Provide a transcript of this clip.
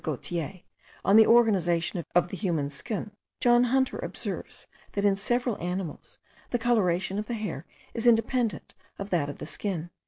Gaultier, on the organisation of the human skin, John Hunter observes, that in several animals the colorating of the hair is independent of that of the skin.)